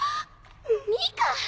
ミカ！